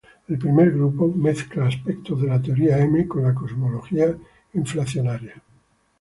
El primer grupo mezcla aspectos de la teoría M con la cosmología inflacionaria.